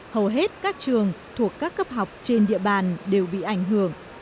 hầu hết các trường thuộc các cấp học trên địa bàn đều bị ảnh hưởng